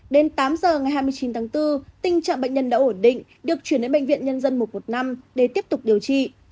đến tám giờ ngày hai mươi chín tháng bốn tình trạng bệnh nhân đã ổn định được chuyển đến bệnh viện nhân dân một trăm một mươi năm để tiếp tục điều trị